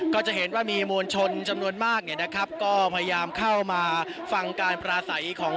ก็จะเห็นว่ามีมวลชนจำนวนมากเนี่ยนะครับก็พยายามเข้ามาฟังการปราศัยของ